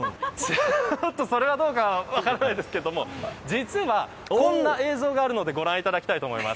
ちょっと、それはどうか分からないですけれども実は、こんな映像があるのでご覧いただきたいと思います。